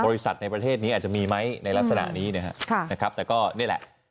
บริษัทในประเทศนี้อาจจะมีไหมในลักษณะนี้เนี่ยฮะค่ะนะครับแต่ก็นี่แหละ